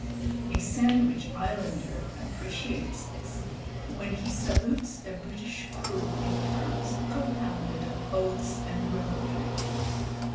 A Sandwich Islander appreciates this when he salutes a British crew in terms compounded of oaths and ribaldry.